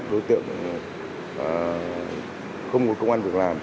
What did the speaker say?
đối tượng không ngồi công an vực làm